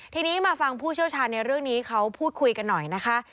ทีนี้มาฟังผู้เชี่ยวชาญในเรื่องนี้เขาพูดคุยกันหน่อยนะคะ